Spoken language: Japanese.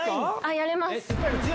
やれます。